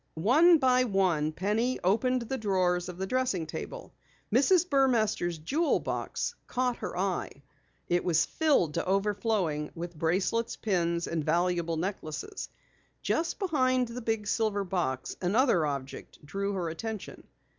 One by one Penny opened the drawers of the dressing table. Mrs. Burmaster's jewel box caught her eye. It was filled to overflowing with bracelets, pins, and valuable necklaces. Just behind the big silver box, another object drew her attention.